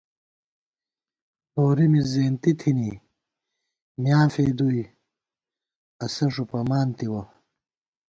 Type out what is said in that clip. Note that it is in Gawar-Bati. نورِی مِز زېنتی تھِنی میاں فېدُوئی اسہ ݫُپَمان تِوَہ